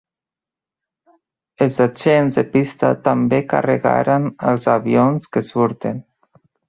Els agents de pista també carregaran els avions que surten.